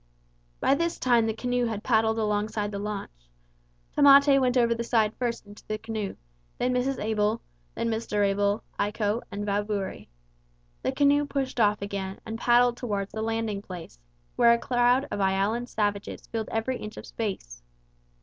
By this time the canoe had paddled alongside the launch. Tamate went over the side first into the canoe, then Mrs. Abel, then Mr. Abel, Iko, and Vaaburi. The canoe pushed off again and paddled toward the landing place, where a crowd of Ialan savages filled every inch of space.